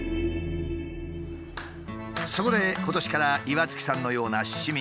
そこで今年から岩槻さんのような市民